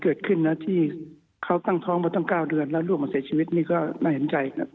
เกิดขึ้นนะที่เขาตั้งท้องมาตั้ง๙เดือนแล้วลูกมาเสียชีวิตนี่ก็น่าเห็นใจครับ